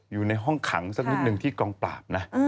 อยู่ในห้องขังสักนิดหนึ่งที่กองปราบนะ